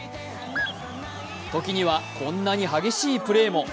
時には、こんなに激しいプレーも。